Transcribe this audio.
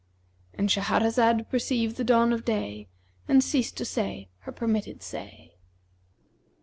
"—And Shahrazad perceived the dawn of day and ceased to say her permitted say.